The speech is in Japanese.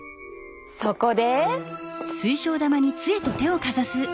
そこで。